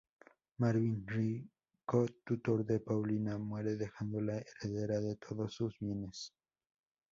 Marvin, rico tutor de Paulina, muere dejándola heredera de todos sus bienes.